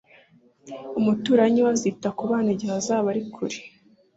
umuturanyi we azita ku bana igihe azaba ari kure